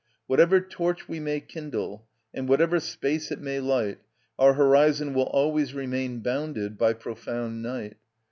Whatever torch we may kindle, and whatever space it may light, our horizon will always remain bounded by profound night.